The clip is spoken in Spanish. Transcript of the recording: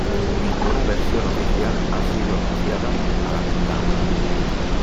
Ninguna versión oficial ha sido anunciada a la venta aún.